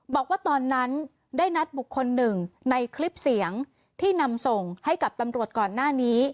บอกว่าตอนนั้นได้นัดบุคคลหนึ่งในคลิปเสียงที่นำส่งให้กับตำรวจก่อนหน้านี้